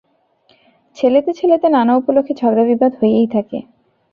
ছেলেতে ছেলেতে নানা উপলক্ষে ঝগড়া বিবাদ হইয়াই থাকে।